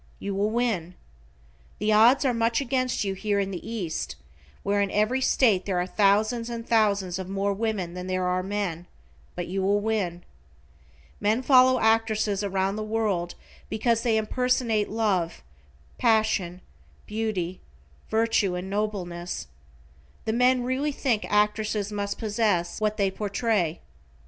You will win. The odds are much against you here in the East, where in every state there are thousands and thousands of more women than there are men, but you will win. Men follow actresses around the world because they impersonate love, passion, beauty, virtue and nobleness. The men really think actresses must possess what they portray.